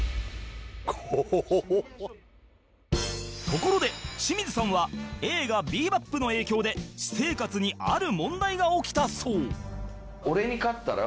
ところで清水さんは映画『ビー・バップ』の影響で私生活にある問題が起きたそう